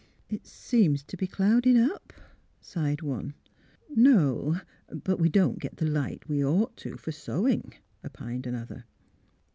'' It seems t' be clouding up," sighed one. No; but we don't get the light we'd ought to for sewing," opined another.